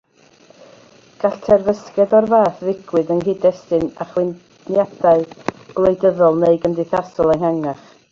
Gall terfysgoedd o'r fath ddigwydd yng nghyd-destun achwyniadau gwleidyddol neu gymdeithasol ehangach.